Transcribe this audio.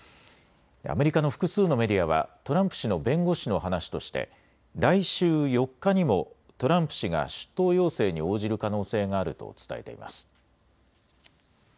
アメリカの複数のメディアはトランプ氏の弁護士の話として来週４日にもトランプ氏が出頭要請に応じる可能性があると伝えています。